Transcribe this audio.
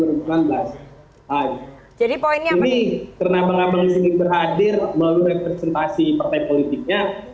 ini karena abang abang sedikit berhadir melalui representasi partai politiknya